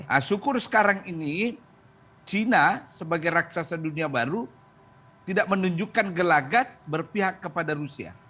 nah syukur sekarang ini china sebagai raksasa dunia baru tidak menunjukkan gelagat berpihak kepada rusia